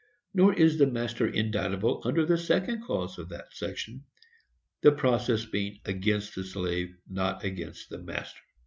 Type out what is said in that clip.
Nor is the master indictable under the second clause of that section; the process being against the slave, not against the master.